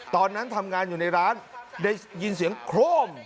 ตอนนั้นทำงานอยู่ในร้านได้ยินเสียงโครม